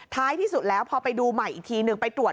ท้ายที่สุดแล้วพอไปดูใหม่อีกทีนึง